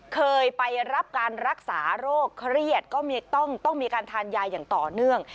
เคยไปรับการรักษาโรคเครียดก็ต้องมีการทานยาอย่างต่อเนื่อง